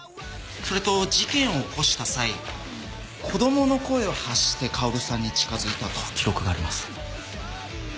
それと事件を起こした際子供の声を発して薫さんに近づいたと記録があります。